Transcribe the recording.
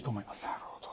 なるほど。